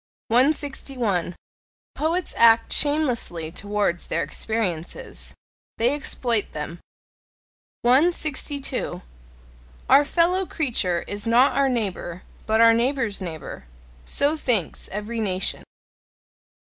161. Poets act shamelessly towards their experiences: they exploit them. 162. "Our fellow creature is not our neighbour, but our neighbour's neighbour": so thinks every nation.